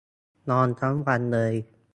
นอนทั้งวันเลย